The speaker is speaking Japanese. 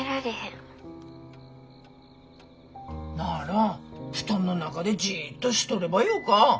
なら布団の中でじっとしとればよか。